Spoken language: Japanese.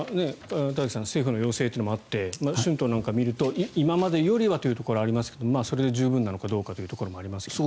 政府の要請というのもあって春闘なんかを見ると今までよりはというところはありますがそれで充分なのかどうかというところはありますが。